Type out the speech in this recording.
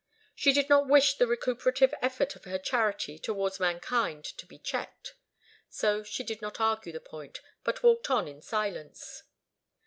She did not wish the recuperative effort of her charity towards mankind to be checked. So she did not argue the point, but walked on in silence.